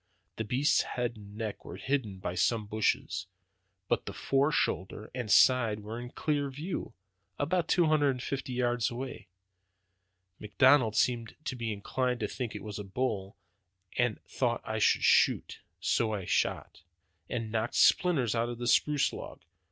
The beast's head and neck were hidden by some bushes, but the fore shoulder and side were in clear view, about two hundred and fifty yards away. McDonald seemed to be inclined to think that it was a bull and that I ought to shoot. So I shot, and knocked splinters out of the spruce log.